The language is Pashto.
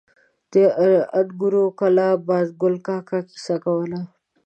د انګورو کلا بازګل کاکا کیسه کوله.